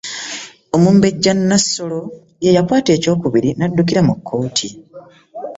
Omumbejja Nassolo ye y'akwata eky'okubiri n'addukira mu kkooti.